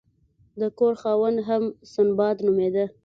د کور خاوند هم سنباد نومیده.